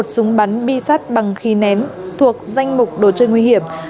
một súng bắn bi sát bằng khí nén thuộc danh mục đồ chơi nguy hiểm